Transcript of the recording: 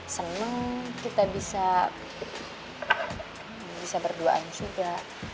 senang kita bisa berdoa juga